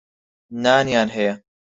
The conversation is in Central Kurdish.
نانیان هەیە.